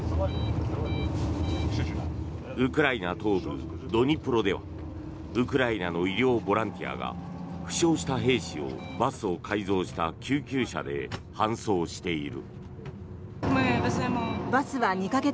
ウクライナ東部ドニプロではウクライナの医療ボランティアが負傷した兵士をバスを改造した救急車で搬送している。